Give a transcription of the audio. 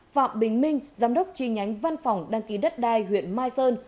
phạm bình minh giám đốc chi nhánh văn phòng đăng ký đất đai huyện mai sơn